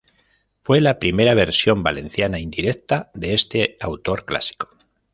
Fue la primera versión valenciana, indirecta, de este autor clásico.